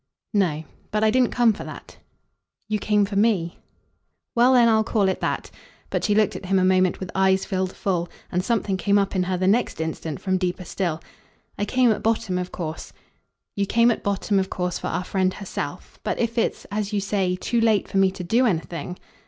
"No. But I didn't come for that." "You came for ME." "Well then call it that." But she looked at him a moment with eyes filled full, and something came up in her the next instant from deeper still. "I came at bottom of course " "You came at bottom of course for our friend herself. But if it's, as you say, too late for me to do anything?"